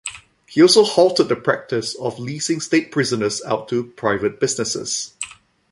He also halted the practice of leasing state prisoners out to private businesses.